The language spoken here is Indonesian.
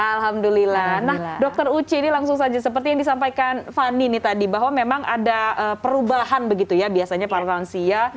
alhamdulillah nah dokter uci ini langsung saja seperti yang disampaikan fani ini tadi bahwa memang ada perubahan begitu ya biasanya para lansia